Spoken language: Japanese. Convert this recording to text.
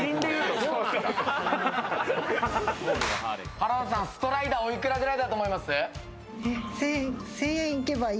原田さん、ストライダーおいくらぐらいだと思います？